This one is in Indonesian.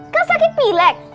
kau sakit pilek